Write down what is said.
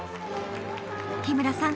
日村さん